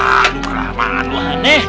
aduh keramahan lo aneh